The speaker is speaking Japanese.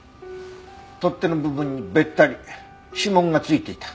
取っ手の部分にべったり指紋が付いていた。